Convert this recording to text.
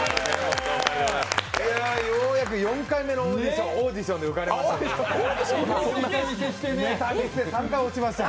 ようやく４回目のオーディションで受かりました。